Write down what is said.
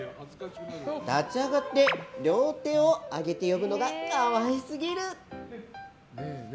立ち上がって、両手を上げて呼ぶのが可愛すぎる！